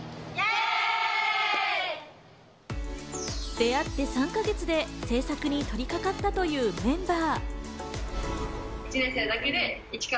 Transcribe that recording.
出会って３か月で制作に取りかかったというメンバー。